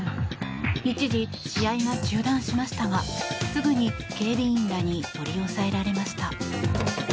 一時、試合が中断しましたがすぐに警備員らに取り押さえられました。